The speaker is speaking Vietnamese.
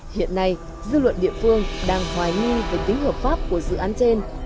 hiện nay dư luận địa phương đang hoài nghi về tính hợp pháp của dự án trên